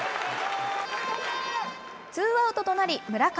ツーアウトとなり、村上。